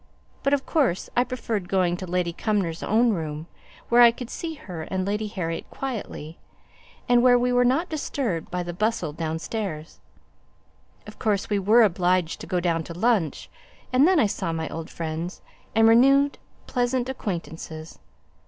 But, of course, I preferred going to Lady Cumnor's own room, where I could see her and Lady Harriet quietly, and where we were not disturbed by the bustle downstairs. Of course we were obliged to go down to lunch, and then I saw my old friends, and renewed pleasant acquaintances.